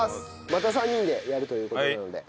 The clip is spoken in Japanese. また３人でやるという事なので。